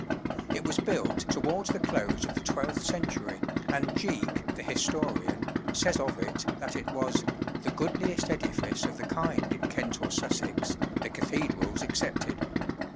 It was built towards the close of the twelfth century, and Jeake, the historian, says of it that it was "the goodliest edifice of the kind in Kent or Sussex, the cathedrals excepted."